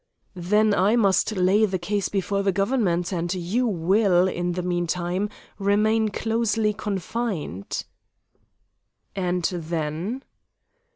"Then I must lay the case before the government, and you will, in the meanwhile, remain closely confined." "And then?"